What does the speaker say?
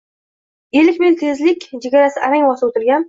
Ellik millik tezlik chegarasi arang bosib o‘tilgan